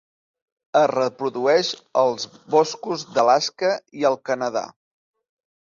Es reprodueix als boscos d'Alaska i el Canadà.